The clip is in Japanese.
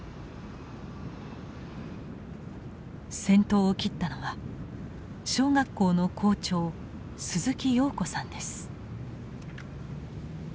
先頭を切ったのは小学校の校長鈴木洋子さんです。